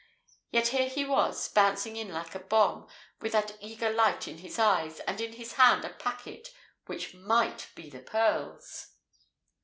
Yet here he was, bouncing in like a bomb, with that eager light in his eyes, and in his hand a packet which might be the pearls!